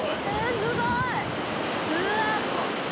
すごい！